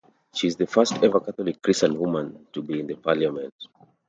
She is the first ever Catholic Christian woman to be in the parliament.